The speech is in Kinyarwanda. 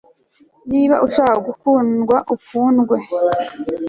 niba ushaka gukundwa, ukundwe